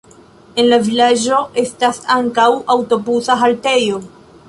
En la vilaĝo estas ankaŭ aŭtobusa haltejo.